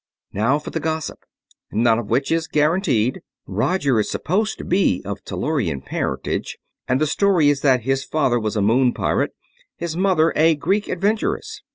Now for the gossip, none of which is guaranteed. Roger is supposed to be of Tellurian parentage, and the story is that his father was a moon pirate, his mother a Greek adventuress.